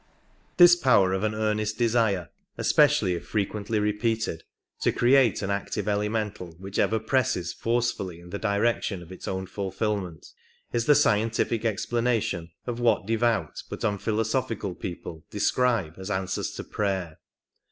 This power of an earnest desire, especially if frequently repeated, to create an active elemental which ever presses forcefully in the direction of its own fulfilment, is the scien tific explanation of what devout but unphilosophical people describe as answers to prayer.